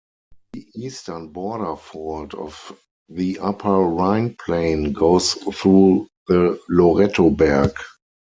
The eastern border fault of the Upper Rhine Plain goes through the Lorettoberg.